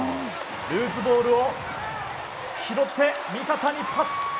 ルーズボールを拾って味方にパス。